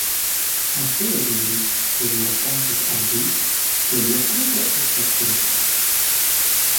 Moseo diris, ke vi rakontis al li, ke lia patro estas Greko.